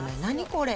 これ！」